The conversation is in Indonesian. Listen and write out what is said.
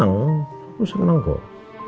aku seneng kok